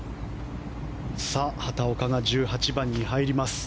畑岡が１８番に入ります。